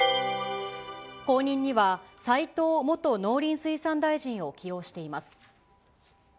後任には、斎藤元農林水産大臣を起用しています。